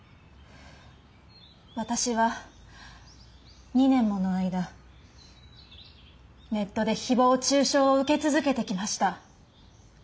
私は２年もの間ネットでひぼう中傷を受け続けてきました。